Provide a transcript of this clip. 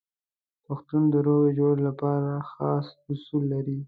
پښتون د روغې جوړې لپاره خاص اصول لري.